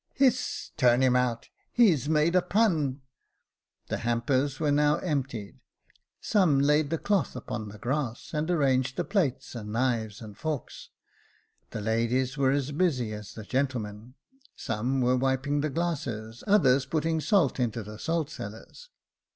" Hiss ! turn him out ! he's made z.punP The hampers were now emptied j some laid the cloth upon the grass, and arranged the plates, and knives and forks. The ladies were as busy as the gentlemen — some were wiping the glasses, others putting salt into the salt cellars.